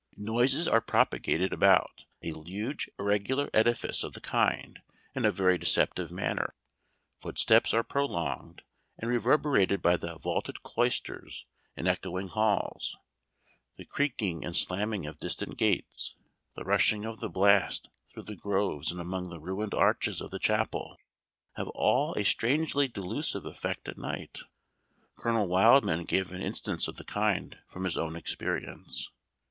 Noises are propagated about a huge irregular edifice of the kind in a very deceptive manner; footsteps are prolonged and reverberated by the vaulted cloisters and echoing halls; the creaking and slamming of distant gates, the rushing of the blast through the groves and among the ruined arches of the chapel, have all a strangely delusive effect at night. Colonel Wildman gave an instance of the kind from his own experience.